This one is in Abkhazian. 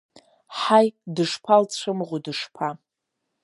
Ҳаи, дышԥалцәымӷу дышԥа…